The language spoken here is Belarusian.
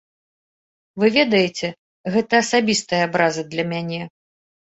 Вы ведаеце, гэта асабістая абраза для мяне.